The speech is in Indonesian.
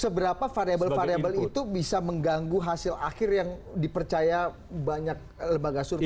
seberapa variable variable itu bisa mengganggu hasil akhir yang dipercaya banyak lembaga survei